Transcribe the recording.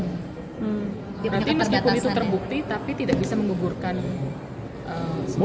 berarti meskipun itu terbukti tapi tidak bisa menggugurkan semua